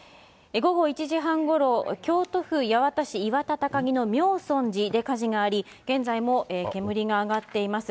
午後１時半ごろ、京都府八幡市いわたたかぎのみょうそん寺で火事があり、現在も煙が上がっています。